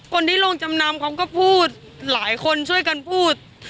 คนที่ลงจำนำเขาก็พูดหลายคนช่วยกันพูด